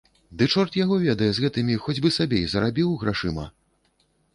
Ды чорт яго ведае з гэтымі, хоць бы сабе і зарабіў, грашыма?